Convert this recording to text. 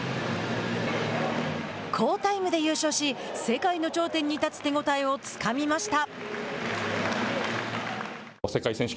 好タイムで優勝し世界の頂点に立つ手応えをつかみました。